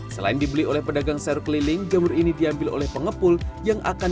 selain dibeli oleh pedagang sayur keliling jamur ini diambil oleh pengepul yang akan